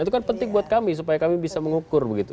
itu kan penting buat kami supaya kami bisa mengukur begitu